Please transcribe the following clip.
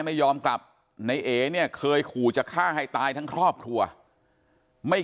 ไม่ยอมกลับในเอเนี่ยเคยขู่จะฆ่าให้ตายทั้งครอบครัวไม่